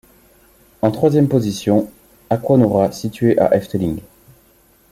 En troisième position, Aquanura situé à Efteling.